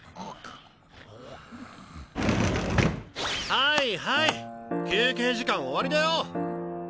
はいはい休憩時間終わりだよ！